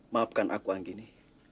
maafkan aku yang gini